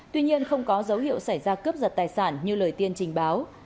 tuy nhiên không có dấu hiệu xảy ra cướp giật tài sản như lời tiên trình báo